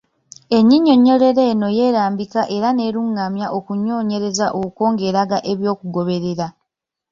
Ennyinyonnyolero eno y’erambika era n’erungamya okunoonyereza okwo ng’eraga ebyokugoberera.